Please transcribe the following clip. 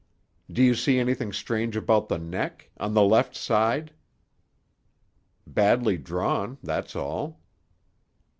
"Do you see anything strange about the neck, on the left side?" "Badly drawn; that's all."